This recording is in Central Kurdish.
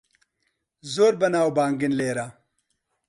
زۆر بەناوبانگن لێرە.